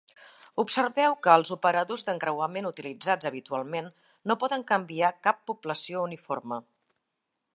Observeu que els operadors d'encreuament utilitzats habitualment no poden canviar cap població uniforme.